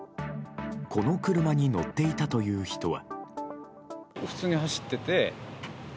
この車に乗っていたという人は。